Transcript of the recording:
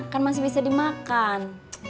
kan masih bisa dimakan